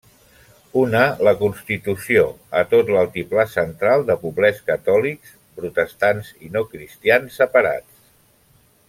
Una, la constitució, a tot l'altiplà central de poblets catòlics, protestants i no-cristians separats.